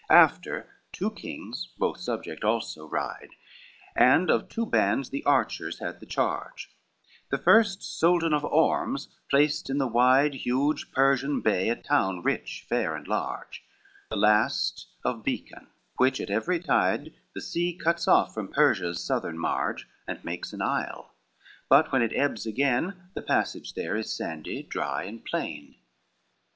XXV After two kings, both subjects also, ride, And of two bands of archers had the charge, The first Soldan of Ormus placed in the wide Huge Persian Bay, a town rich, fair, and large: The last of Boecan, which at every tide The sea cuts off from Persia's southern marge, And makes an isle; but when it ebbs again, The passage there is sandy, dry and plain.